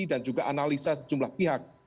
dan juga analisa sejumlah pihak